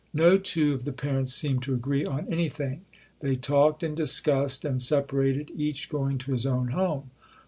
No two of the parents seemed to agree on anything. They talked and discussed and separated, each going to his own home.